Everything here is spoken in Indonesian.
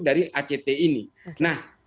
dari act ini nah